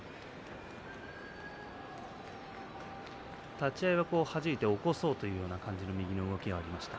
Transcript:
立ち合いははじいて起こそうという感じの右の動きがありました。